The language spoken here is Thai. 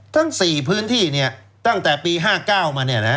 ทั้ง๔พื้นที่เนี่ยตั้งแต่ปี๕๙มาเนี่ย